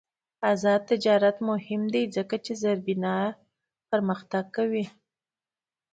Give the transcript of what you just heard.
آزاد تجارت مهم دی ځکه چې زیربنا پرمختګ کوي.